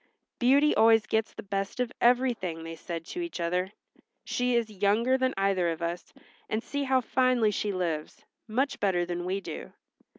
"Beauty always gets the best of everything," they said to each other. "She is younger than either of us, and see how finely she lives; much better than we do."